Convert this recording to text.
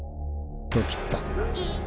と切った。